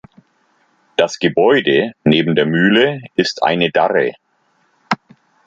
Das Gebäude neben der Mühle ist die Darre.